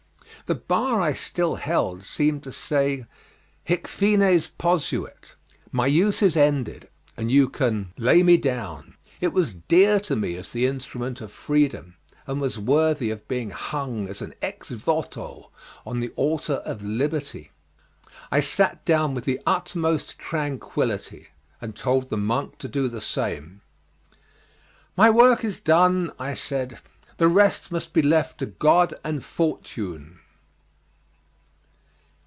The bar I still held seemed to say, "Hic fines posuit. My use is ended and you can lay me down." It was dear to me as the instrument of freedom, and was worthy of being hung as an 'ex voto' on the altar of liberty. I sat down with the utmost tranquillity, and told the monk to do the same. "My work is done," I said, "the rest must be left to God and fortune.